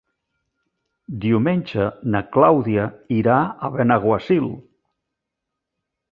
Diumenge na Clàudia irà a Benaguasil.